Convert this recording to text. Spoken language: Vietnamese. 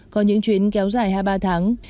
có những chuyến kéo dài hai mươi ba tháng